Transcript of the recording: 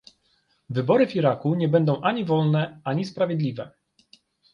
Wybory w Iraku nie będą ani wolne, ani sprawiedliwe